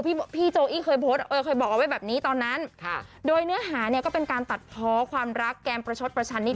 พี่โจอีบเคยบอกเอาไว้แบบนี้ตอนนั้นโดยเนื้อหาก็เป็นการตัดพอความรักแกมประชดประชันนิด